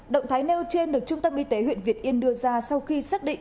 động thái nêu trên được trung tâm y tế huyện việt yên đưa ra sau khi xác định